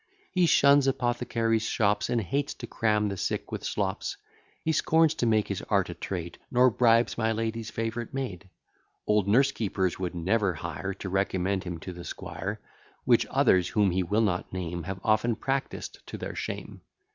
He shuns apothecaries' shops, And hates to cram the sick with slops: He scorns to make his art a trade; Nor bribes my lady's favourite maid. Old nurse keepers would never hire, To recommend him to the squire; Which others, whom he will not name, Have often practised to their shame.